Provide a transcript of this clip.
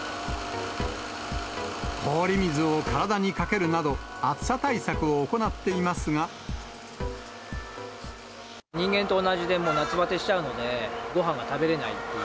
氷水を体にかけるなど、人間と同じで、夏ばてしちゃうので、ごはんが食べれないっていう。